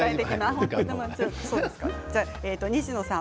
西野さん